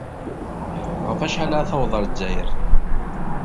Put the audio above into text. Ɣef wacḥal ara tawḍed ɣer Lezzayer?